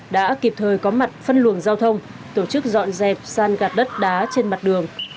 đã kịp thời có mặt phân luồng giao thông tổ chức dọn dẹp san gạt đất đá trên mặt đường